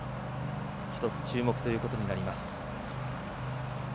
１つ注目ということになります。